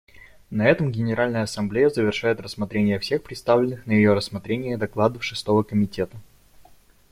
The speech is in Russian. На этом Генеральная Ассамблея завершает рассмотрение всех представленных на ее рассмотрение докладов Шестого комитета.